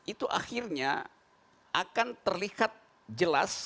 itu akhirnya akan terlihat jelas